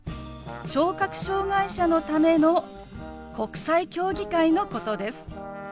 ・聴覚障害者のための国際競技会のことです。